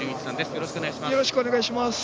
よろしくお願いします。